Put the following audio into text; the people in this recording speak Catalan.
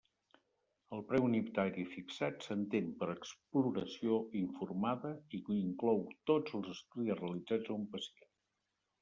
El preu unitari fixat s'entén per exploració informada i inclou tots els estudis realitzats a un pacient.